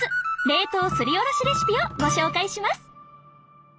冷凍すりおろしレシピをご紹介します